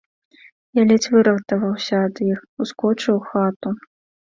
Я ледзь выратаваўся ад іх, ускочыў у хату.